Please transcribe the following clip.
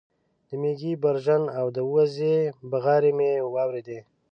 د مېږې برژن او د وزې بغارې مې واورېدې